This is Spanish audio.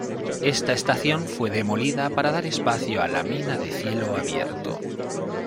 Esa estación fue demolida para dar espacio a la mina de cielo abierto.